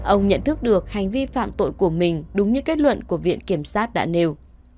ông nhận thức được hành vi phạm tội của mình đúng như kết luận của viện kiểm sát đã nêu